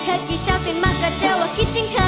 เธอกิเช้าตื่นมากก็เจอว่าคิดถึงเธอ